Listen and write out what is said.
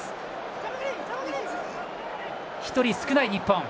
１人少ない日本。